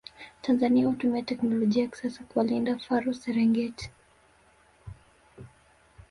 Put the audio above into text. Tanzania hutumia teknolojia ya kisasa kuwalinda faru Serengeti